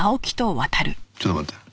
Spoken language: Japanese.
ちょっと待て。